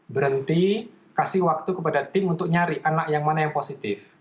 berhenti kasih waktu kepada tim untuk nyari anak yang mana yang positif